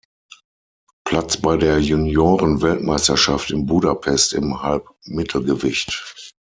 Platz bei der Junioren-Weltmeisterschaft in Budapest im Halbmittelgewicht.